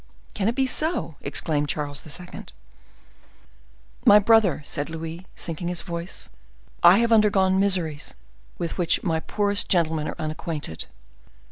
"Can it be so?" exclaimed Charles II. "My brother," said Louis, sinking his voice, "I have undergone miseries with which my poorest gentlemen are unacquainted.